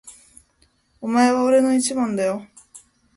お前は俺の一番だよ。